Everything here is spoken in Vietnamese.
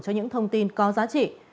cho những thông tin có giá trị